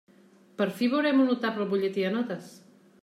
Per fi veurem un notable al butlletí de notes.